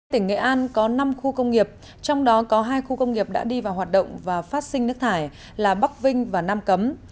tỉnh nghệ an có năm khu công nghiệp trong đó có hai khu công nghiệp đã đi vào hoạt động và phát sinh nước thải là bắc vinh và nam cấm